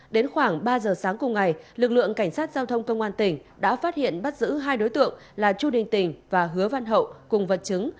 đến khoảng ba giờ sáng cùng ngày lực lượng cảnh sát giao thông công an tỉnh đã phát hiện bắt giữ hai đối tượng là chu đình tình và hứa văn hậu cùng vật chứng